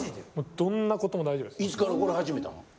どんな事も大丈夫です。